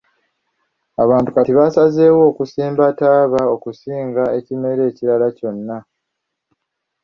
Abantu kati basazeewo okusimba ttaaba okusinga ekimera ekirala kyonna.